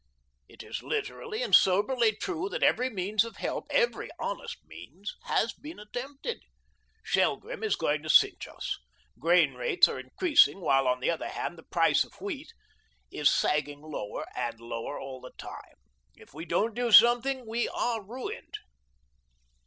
It is literally and soberly true that every means of help every honest means has been attempted. Shelgrim is going to cinch us. Grain rates are increasing, while, on the other hand, the price of wheat is sagging lower and lower all the time. If we don't do something we are ruined."